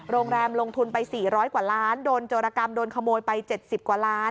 ลงทุนไป๔๐๐กว่าล้านโดนโจรกรรมโดนขโมยไป๗๐กว่าล้าน